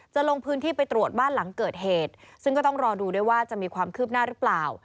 ลงพื้นที่ไปตรวจบ้านหลังเกิดเหตุซึ่งก็ต้องรอดูด้วยว่าจะมีความคืบหน้าหรือเปล่า